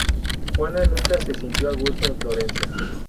Juana nunca se sintió a gusto en Florencia.